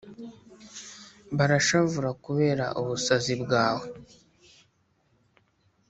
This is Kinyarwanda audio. barashavura kubera ubusazi bwawe.